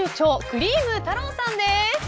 クリーム太朗さんです。